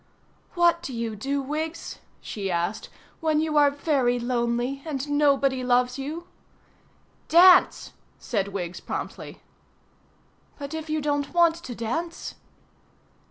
"What do you do, Wiggs?" she asked, "when you are very lonely and nobody loves you?" "Dance," said Wiggs promptly. "But if you don't want to dance?"